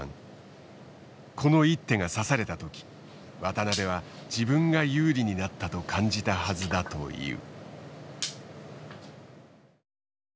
この一手が指された時渡辺は自分が有利になったと感じたはずだという。